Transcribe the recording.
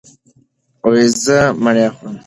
زه مڼې خورم